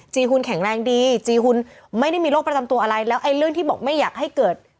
หุ่นแข็งแรงดีจีหุ่นไม่ได้มีโรคประจำตัวอะไรแล้วไอ้เรื่องที่บอกไม่อยากให้เกิด